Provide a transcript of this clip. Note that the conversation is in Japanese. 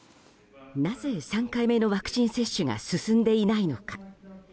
なぜ、３回目のワクチン接種が進んでいないのか。